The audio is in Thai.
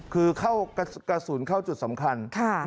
คือเข้ากระสุนเข้าจุดสำคัญ